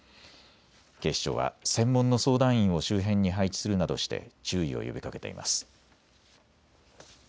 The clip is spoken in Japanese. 警視庁は専門の相談員を周辺に配置するなどして注意を呼びかけています。